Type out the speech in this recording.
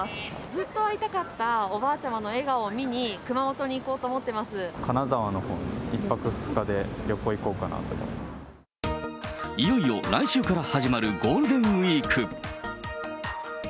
ずっと会いたかったおばあちゃまの笑顔を見に、熊本に行こう金沢のほうに、いよいよ来週から始まるゴールデンウィーク。